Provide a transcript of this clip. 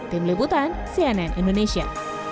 tim liputan cnn indonesia